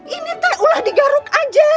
ini teh ulah digaruk aja